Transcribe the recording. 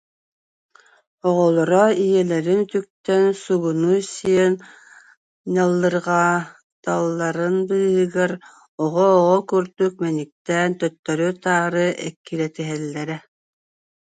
Оҕолоро ийэлэрин үтүктэн сугуну сиэн ньаллырҕаталларын быыһыгар, оҕо-оҕо курдук мэниктээн төттөрү-таары эккирэтиһэллэрэ